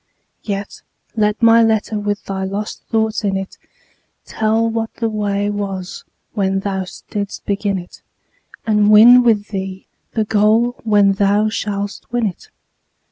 Yet let my letter with thy lost thoughts in it Tell what the way was when thou didst begin it, And win with thee the goal when thou shalt win it.